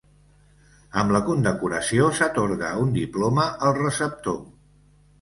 Amb la condecoració s'atorga un diploma al receptor.